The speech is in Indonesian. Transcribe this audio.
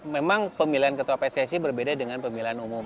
memang pemilihan ketua pssi berbeda dengan pemilihan umum